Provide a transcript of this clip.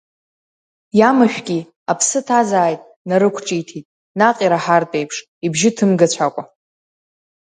Иамашәки, аԥсы ҭазааит, нарықәҿиҭит, наҟ ираҳартә еиԥш, ибжьы ҭымгацәакәа.